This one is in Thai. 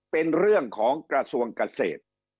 เป็นเรื่องของกระทรวงเกษตร